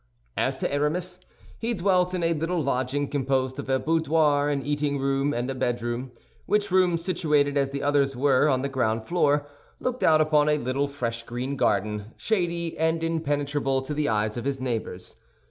As to Aramis, he dwelt in a little lodging composed of a boudoir, an eating room, and a bedroom, which room, situated, as the others were, on the ground floor, looked out upon a little fresh green garden, shady and impenetrable to the eyes of his neighbors.